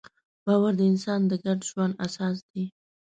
باور د انسان د ګډ ژوند اساس دی.